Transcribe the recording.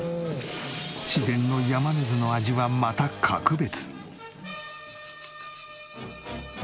自然の山水の味はまた格別。